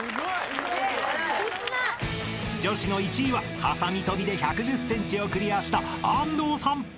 ［女子の１位ははさみ跳びで１１０ｃｍをクリアした安藤さん］